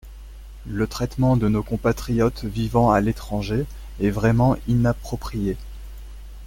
Le traitement de nos compatriotes vivant à l’étranger est vraiment inapproprié.